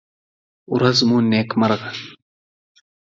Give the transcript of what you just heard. ورڅ مو نېکمرغه!